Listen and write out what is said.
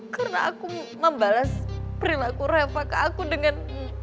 karena aku membalas perilaku reva ke aku dengan